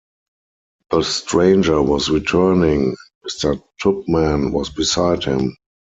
The stranger was returning, and Mr. Tupman was beside him.